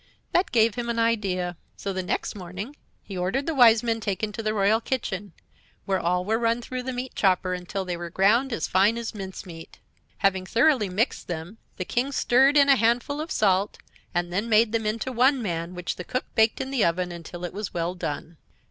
That gave him an idea; so the next morning he ordered the Wise Men taken to the royal kitchen, where all were run through the meat chopper until they were ground as fine as mincemeat. Having thoroughly mixed them, the King stirred in a handful of salt, and then made them into one man, which the cook baked in the oven until it was well done.